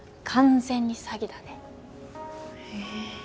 完全に詐欺だねえ